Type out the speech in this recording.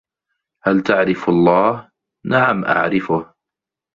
هل تعرف الله؟ "نعم، أعرفه."